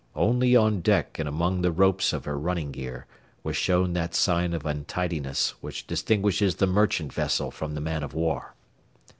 Only on deck and among the ropes of her running gear was shown that sign of untidiness which distinguishes the merchant vessel from the man of war.